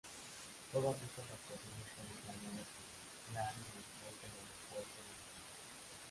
Todas estas actuaciones fueron planeadas en el "Plan Director del Aeropuerto de Málaga".